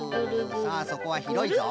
さあそこはひろいぞ！